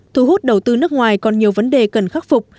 thu hút đầu tư nước ngoài còn nhiều vấn đề cần khắc phục